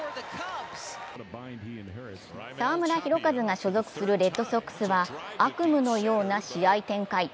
澤村拓一が所属するレッドソックスは悪夢のような試合展開。